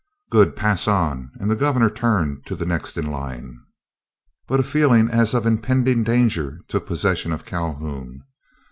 "Good, pass on," and the Governor turned to the next in line. But a feeling as of impending danger took possession of Calhoun.